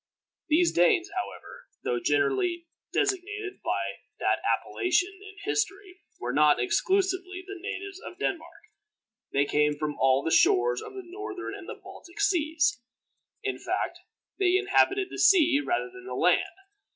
These Danes, however, though generally designated by that appellation in history, were not exclusively the natives of Denmark. They came from all the shores of the Northern and Baltic Seas. In fact, they inhabited the sea rather than the land.